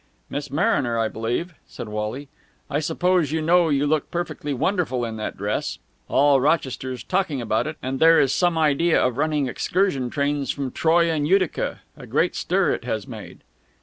"Miss Mariner, I believe?" said Wally. "I suppose you know you look perfectly wonderful in that dress? All Rochester's talking about it, and there is some idea of running excursion trains from Troy and Utica. A great stir it has made!"